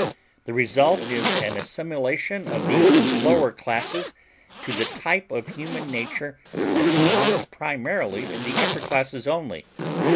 The result is an assimilation of the lower classes to the type of human nature that belongs primarily to the upper classes only.